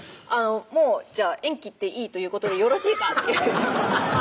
「もうじゃあ縁切っていいということでよろしいか？」